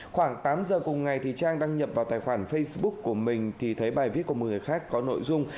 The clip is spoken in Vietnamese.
khoảng tám giờ cùng ngày trang đăng nhập vào tài khoản facebook của mình thì thấy bài viết của một người khác có nội dung